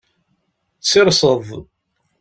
Sirseḍ.